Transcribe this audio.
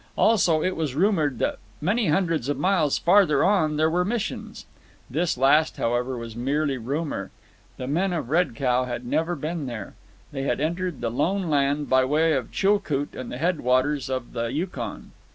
Also, it was rumoured that many hundreds of miles farther on there were missions. This last, however, was merely rumour; the men of Red Cow had never been there. They had entered the lone land by way of Chilcoot and the head waters of the Yukon.